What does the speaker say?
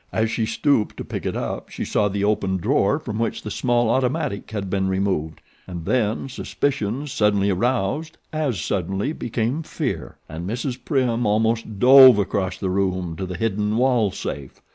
As she stooped to pick it up she saw the open drawer from which the small automatic had been removed, and then, suspicions, suddenly aroused, as suddenly became fear; and Mrs. Prim almost dove across the room to the hidden wall safe.